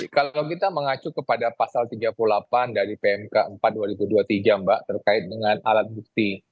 kalau kita mengacu kepada pasal tiga puluh delapan dari pmk empat dua ribu dua puluh tiga mbak terkait dengan alat bukti